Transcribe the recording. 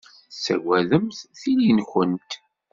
Tettagademt tili-nwent.